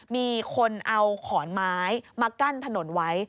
มีคนเอาขอนไม้มากั้นถนนไว้